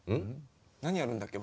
何やるんだっけ？